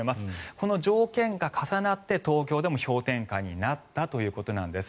この条件が重なって東京でも氷点下になったということなんです。